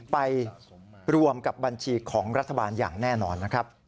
ไปรวมกับบัญชีของรัฐบาลอย่างแน่นอนนะครับ